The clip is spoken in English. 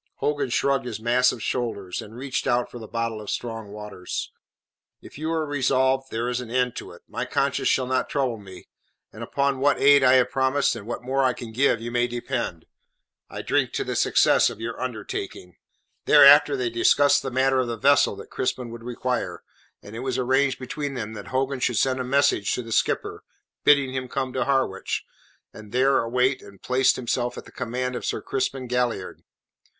Hogan shrugged his massive shoulders, and reached out for the bottle of strong waters. "If you are resolved, there is an end to it. My conscience shall not trouble me, and upon what aid I have promised and what more I can give, you may depend. I drink to the success of your undertaking." Thereafter they discussed the matter of the vessel that Crispin would require, and it was arranged between them that Hogan should send a message to the skipper, bidding him come to Harwich, and there await and place himself at the command of Sir Crispin Galliard.